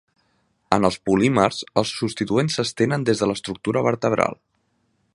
En els polímers els substituents s’estenen des de l’estructura vertebral.